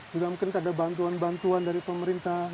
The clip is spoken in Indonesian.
juga mungkin ada bantuan bantuan dari pemerintah